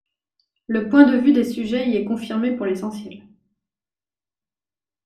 Le point de vue des sujets y est confirmé pour l'essentiel.